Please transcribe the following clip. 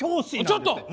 ちょっと！